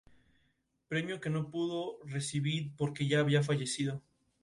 Construido en casa de Zappa, sirvió para la grabación de mucho de su material.